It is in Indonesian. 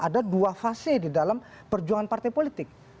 ada dua fase di dalam perjuangan partai politik